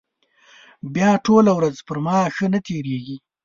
بیا ټوله ورځ پر ما ښه نه تېرېږي.